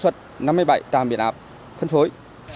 suất năm mươi bảy trạm biến áp phân phối